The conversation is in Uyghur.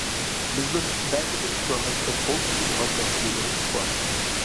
بىزنىڭ بەزى بىر ناھايىتى قول تۇتىدىغان مەسىلىلىرىمىز بار.